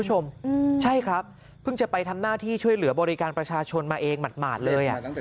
ใช่ครับเพิ่งจะไปทำหน้าที่ช่วยเหลือบริการประชาชนมาเองหมดเลย